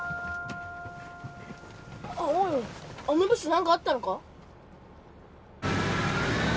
オイあのブス何かあったのか？